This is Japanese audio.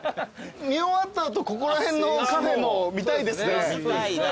見終わった後ここら辺のカフェも見たいですね。